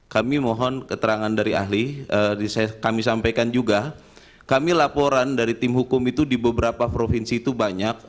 kami mohon keterangan dari ahli kami sampaikan juga kami laporan dari tim hukum itu di beberapa provinsi itu banyak